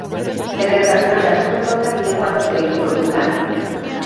Edertasunak askoz gauza gehiago hartzen ditu kontutan.